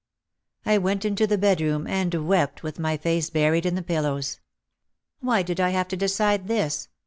I went into the bedroom and wept with my face buried in the pillows. "Why did I have to decide this?